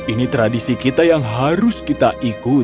ini tradisi kita yang harus kita ikuti